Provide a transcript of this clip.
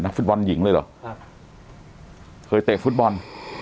ฟุตบอลหญิงเลยเหรอครับเคยเตะฟุตบอล